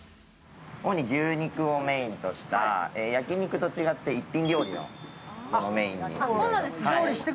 主に牛肉をメインとした、焼き肉と違って一品料理をメインにして。